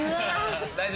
大丈夫。